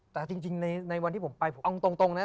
แต่จริงในวันที่ผมไปผมเอาตรงนะ